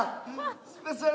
スペシャル